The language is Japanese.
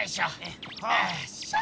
よいしょ！